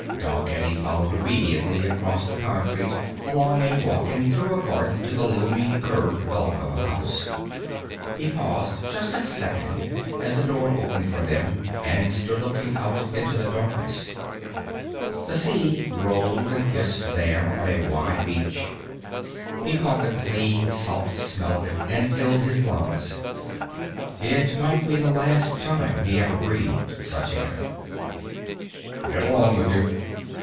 Dalgetty followed obediently across the concrete, along a walk and through a garden to the looming curved bulk of a house. He paused just a second as the door opened for them and stood looking out into darkness. The sea rolled and hissed there on a wide beach. He caught the clean salt smell of it and filled his lungs. It might be the last time he ever breathed such air. "Get along with you."